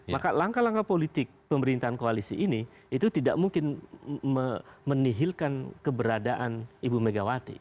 maka langkah langkah politik pemerintahan koalisi ini itu tidak mungkin menihilkan keberadaan ibu megawati